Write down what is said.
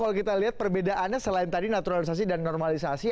kalau kita lihat perbedaannya selain tadi naturalisasi dan normalisasi